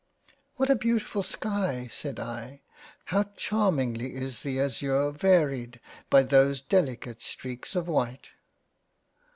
" What a beautifull sky ! (said I) How charmingly is the azure varied by those delicate streaks of white